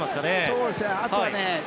そうですね、あとはね